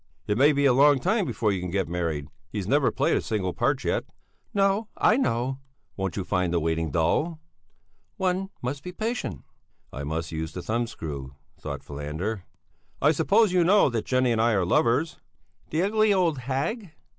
"It may be a long time before you can get married. He's never played a single part yet." "No, I know." "Won't you find the waiting dull?" "One must be patient." I must use the thumbscrew, thought Falander. "I suppose you know that Jenny and I are lovers?" "The ugly, old hag!"